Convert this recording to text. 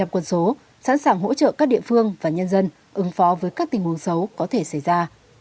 một trăm linh quân số sẵn sàng hỗ trợ các địa phương và nhân dân ứng phó với các tình huống xấu có thể xảy ra